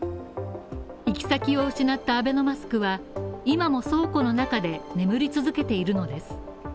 行き先を失ったアベノマスクは今も倉庫の中で眠り続けているのです。